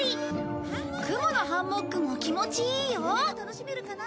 雲のハンモックも気持ちいいよ